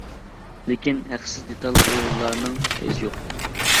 لېكىن ھەقسىز دېتال ئويۇنلارنىڭ پەيزى يوق.